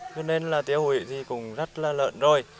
cho nên là tiêu hủy thì cũng rất là lợn rồi